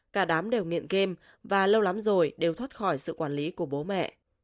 cả đám đều nghiện game và lâu lắm rồi đều thoát khỏi sự quản lý của bố mẹ